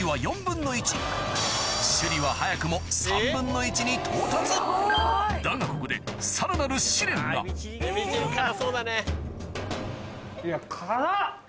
里は早くも３分の１に到達だがここでさらなる試練がエビチリ辛そうだね。